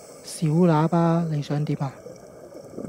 小喇叭呀！你想點呀